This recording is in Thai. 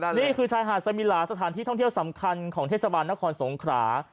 นี่คือชายหาดสมิลาสถานที่ท่องเที่ยวสำคัญของเทศบาลนครสงขรา